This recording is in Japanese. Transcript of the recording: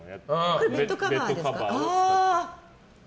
これベッドカバーですか。